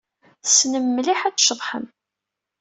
Tessnem mliḥ ad tceḍḥem.